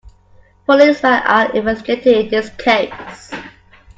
Policemen are investigating in this case.